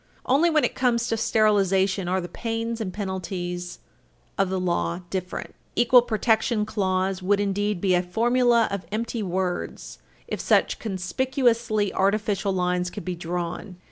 Only when it comes to sterilization are the pains and penalties of the law different. The equal protection clause would indeed be a formula of empty words if such conspicuously artificial lines could be drawn.